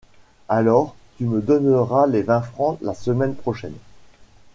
Alors, tu me donneras les vingt francs la semaine prochaine. ..